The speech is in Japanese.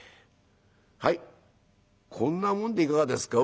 はいこんなもんでいかがですか」。